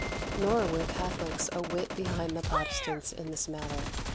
Nor were the Catholics a whit behind the Protestants in this matter.